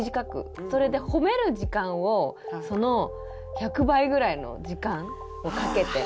それでほめる時間をその１００倍ぐらいの時間をかけて。